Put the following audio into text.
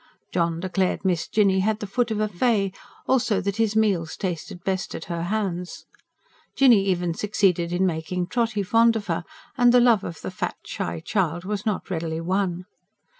John declared Miss Jinny had the foot of a fay; also that his meals tasted best at her hands. Jinny even succeeded in making Trotty fond of her; and the love of the fat, shy child was not readily won.